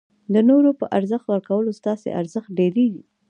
د نورو په ارزښت ورکولو ستاسي ارزښت ډېرېږي.